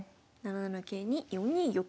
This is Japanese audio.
７七桂に４二玉。